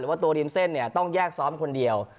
หรือว่าตัวริมเส้นต้องแยกซ้อมคนเดียว